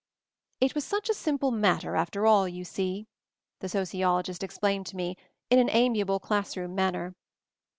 "It was such a simple matter, after all, you see," the sociologist explained to me, in an amiable class room manner.